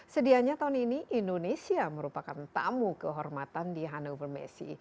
sedianya tahun ini indonesia merupakan tamu kehormatan di hannover messi